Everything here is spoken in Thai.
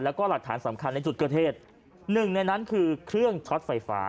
แล้วก็หลักฐานสำคัญในจุดเกิดเหตุหนึ่งในนั้นคือเครื่องช็อตไฟฟ้า